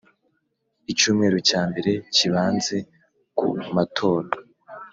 Icyumweru cya mbere kibanze ku matora